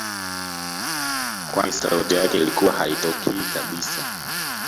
Kwani sauti yake ilikuwa haitokii kabisa